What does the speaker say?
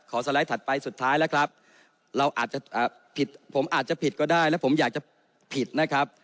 สไลด์ถัดไปสุดท้ายแล้วครับเราอาจจะผิดผมอาจจะผิดก็ได้และผมอยากจะผิดนะครับ